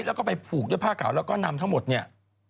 แล้วก็ไปผูกด้วยผ้าขาวแล้วก็นำทั้งหมดเนี่ย